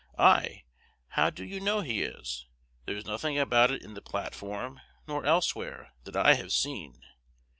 Ay, how do you know he is? There is nothing about it in the platform, nor elsewhere, that I have seen.